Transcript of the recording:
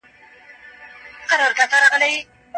ښځي ولي له خاوند څخه طلاق اخيستی؟